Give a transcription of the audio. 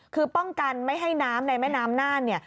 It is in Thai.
คือป้องกันไม่ให้น้ำในแม่น้ำน่านเนี่ย